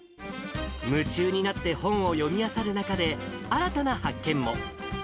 夢中になって本を読みあさる中で、新たな発見も。